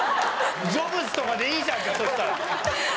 ジョブズとかでいいじゃんじゃあそしたら。